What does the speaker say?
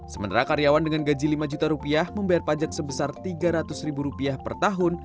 sementara karyawan dengan gaji lima juta rupiah membayar pajak sebesar tiga ratus ribu rupiah per tahun